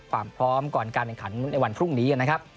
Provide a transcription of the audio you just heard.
ความพร้อมก่อนการแข่งขันในวันพรุ่งนี้นะครับ